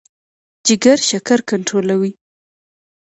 جګر شکر کنټرولوي.